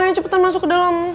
ayo cepetan masuk ke dalam